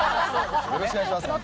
よろしくお願いします、本当に。